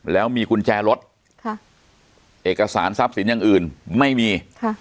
แล้วมีกุญแจรถเอกสารทรัพย์สินอย่างอื่นไม่มี